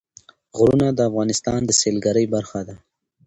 غرونه د افغانستان د سیلګرۍ برخه ده.